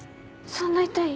そんな痛い？